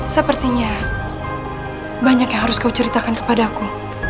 sepertinya banyak yang harus kau ceritakan kepada aku